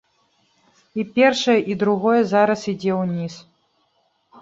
І першае, і другое зараз ідзе ўніз.